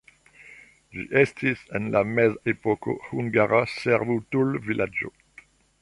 Ĝi estis en la mezepoko hungara servutulvilaĝo.